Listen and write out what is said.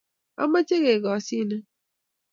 ameche gekasyinyen